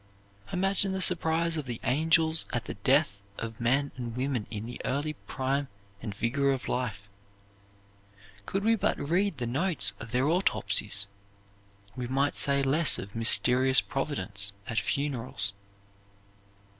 Imagine the surprise of the angels at the death of men and women in the early prime and vigor of life. Could we but read the notes of their autopsies we might say less of mysterious Providence at funerals.